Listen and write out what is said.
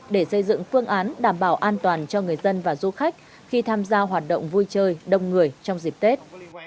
để xây dựng phương án đảm bảo an toàn cho người dân và du khách khi tham gia hoạt động vui chơi đông người trong dịp tết